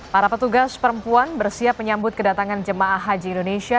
para petugas perempuan bersiap menyambut kedatangan jemaah haji indonesia